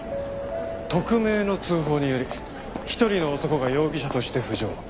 匿名の通報により一人の男が容疑者として浮上。